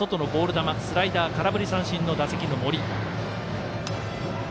球スライダー空振り三振の打席の森。